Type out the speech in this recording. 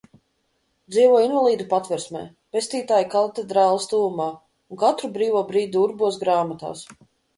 Dzīvoju invalīdu patversmē, Pestītāja katedrāles tuvumā un katru brīvo brīdi urbos grāmatās.